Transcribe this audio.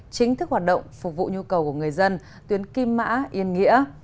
chính thức hoạt động phục vụ nhu cầu của người dân tuyến kim mã yên nghĩa